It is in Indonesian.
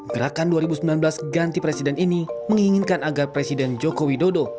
gerakan dua ribu sembilan belas ganti presiden ini menginginkan agar presiden joko widodo